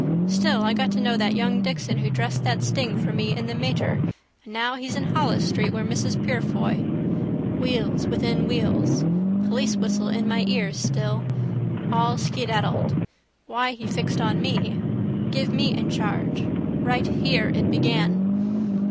Still I got to know that young Dixon who dressed that sting for me in the Mater and now he's in Holles street where Mrs Purefoy. Wheels within wheels. Police whistle in my ears still. All skedaddled. Why he fixed on me. Give me in charge. Right here it began.